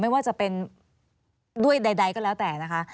ไม่ว่าจะเป็นด้วยใดก็แล้วแต่นะคะ